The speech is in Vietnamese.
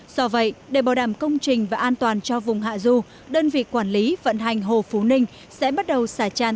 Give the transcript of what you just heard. do vậy để bảo đảm công trình và an toàn cho vùng hạ du đơn vị quản lý vận hành hồ phú ninh sẽ bắt đầu xả tràn